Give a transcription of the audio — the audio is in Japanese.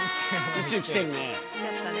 宇宙来てるね。